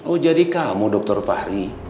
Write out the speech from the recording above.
oh jadi kamu dr fahri